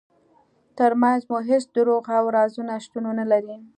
ترمنځ مو هیڅ دروغ او رازونه شتون ونلري.